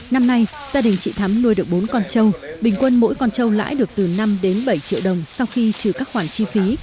năm nay gia đình chị thắm nuôi được bốn con trâu bình quân mỗi con trâu lãi được từ năm đến bảy triệu đồng sau khi trừ các khoản chi phí